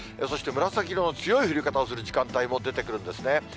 そして、紫色の強い降り方をする時間帯も出てくるんですね。